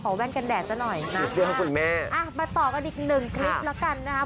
ขอแว่นกันแดดสักหน่อยนะคะอ่ะมาต่อกันอีกนึงคลิปแล้วกันนะครับ